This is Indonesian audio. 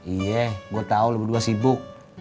iya gue tau lo berdua sibuk